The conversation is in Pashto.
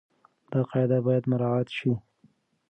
دا قاعده بايد مراعت شي.